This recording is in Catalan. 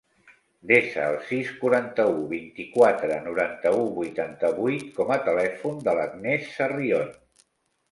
Desa el sis, quaranta-u, vint-i-quatre, noranta-u, vuitanta-vuit com a telèfon de l'Agnès Sarrion.